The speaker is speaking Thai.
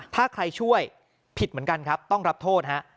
ถ้าใครช่วยผิดเหมือนกันครับต้องรับโทษฮะ